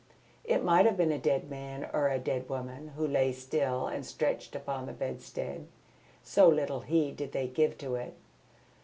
It might have been a dead man or a dead woman who lay still and stretched out upon the bedstead, so little heed did they give to it.